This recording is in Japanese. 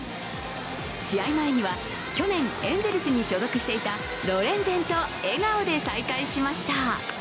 試合前には去年、エンゼルスに所属していたロレンゼンと笑顔で再会しました。